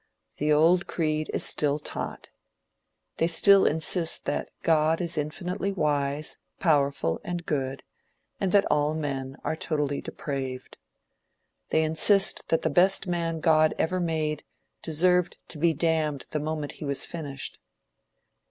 The old creed is still taught. They still insist that God is infinitely wise, powerful and good, and that all men are totally depraved. They insist that the best man God ever made, deserved to be damned the moment he was finished.